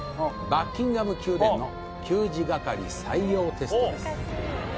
バッキンガム宮殿の給仕係採用テストです